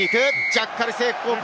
ジャッカル成功か？